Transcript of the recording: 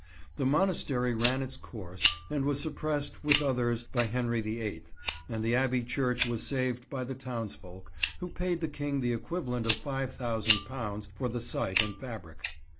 The monastery ran its course and was suppressed with others by Henry the Eighth, and the Abbey church was saved by the townsfolk, who paid the King the equivalent of £5000 for the site and fabric.